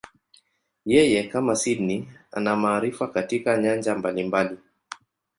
Yeye, kama Sydney, ana maarifa katika nyanja mbalimbali.